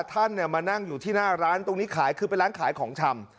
ท่านมานั่งอยู่ที่หน้าร้านตรงนี้ขายคือเป็นร้านขายของชำ